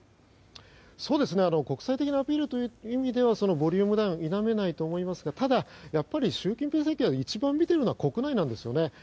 国際的なアピールという意味ではボリュームダウン否めないと思いますがただ、習近平政権が一番見ているのは国内なんですね。